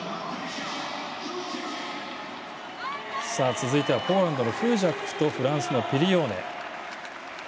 続いてはポーランドのフージャックとフランスのビリオーネ。